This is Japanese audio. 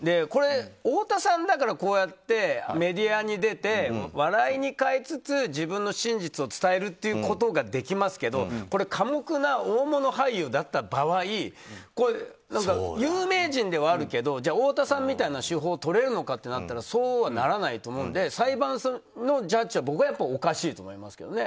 太田さんだから、こうやってメディアに出て笑いに変えつつ自分の真実を伝えるということができますけど寡黙な大物俳優だった場合有名人ではあるけど太田さんみたいな手法をとれるのかってなったらそうはならないと思うので裁判のジャッジは僕はおかしいと思いますけどね。